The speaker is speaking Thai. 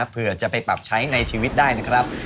เพื่อจะไปปรับใช้ในชีวิตได้นะครับ